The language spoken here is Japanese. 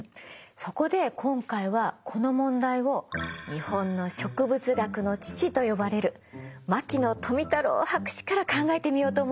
そこで今回はこの問題を日本の植物学の父と呼ばれる牧野富太郎博士から考えてみようと思うの。